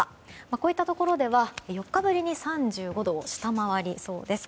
こういったところでは４日ぶりに３５度を下回りそうです。